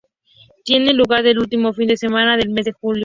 Tiene lugar el último fin de semana del mes de julio.